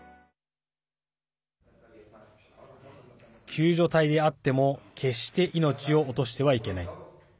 救助隊であっても決して命を落としてはいけない。